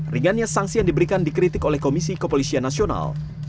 ringannya sanksi yang diberikan dikritik oleh komisi kepolisian nasional